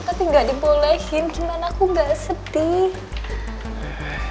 tapi gak dibolehin gimana aku gak sedih